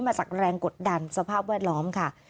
มาจากแรงกดดันสภาพแวดล้อมค่ะ